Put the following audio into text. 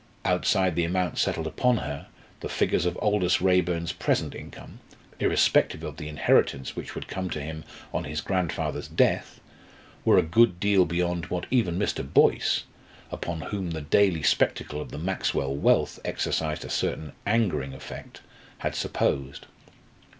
Outside the amount settled upon her, the figures of Aldous Raeburn's present income, irrespective of the inheritance which would come to him on his grandfather's death, were a good deal beyond what even Mr. Boyce upon whom the daily spectacle of the Maxwell wealth exercised a certain angering effect had supposed.